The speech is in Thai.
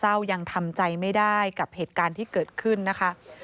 ความโศกเศร้ายังทำใจไม่ได้กับเหตุการณ์ที่เกิดขึ้นนะคะ